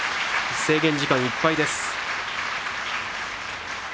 制限時間いっぱいです。